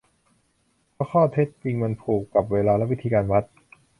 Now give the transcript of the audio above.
พอข้อเท็จจริงมันผูกกับเวลาและวิธีการวัด